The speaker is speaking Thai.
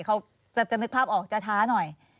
เขาจะนึกภาพออกจะช้าหน่อย